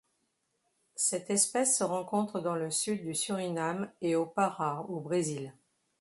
Cette espèce se rencontre dans le sud du Suriname et au Pará au Brésil.